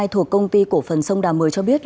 thuộc công ty cổ phần sông đà một mươi cho biết